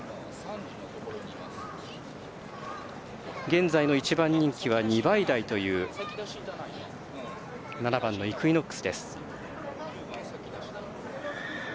現在の１番人気は２倍台という７番のイクイノックスです。